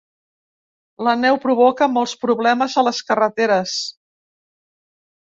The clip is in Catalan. La neu provoca molts problemes a les carreteres.